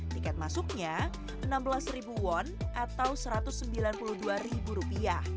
tiket masuknya rp enam belas won atau rp satu ratus sembilan puluh dua